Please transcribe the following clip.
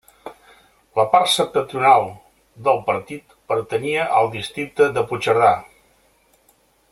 La part septentrional del partit pertanyia al districte de Puigcerdà.